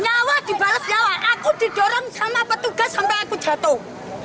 nyawa dibalas nyawa aku didorong sama petugas sampai aku jatuh